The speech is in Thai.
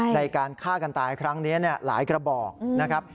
ในการฆ่ากันตายครั้งนี้หลายกระบอกนะครับ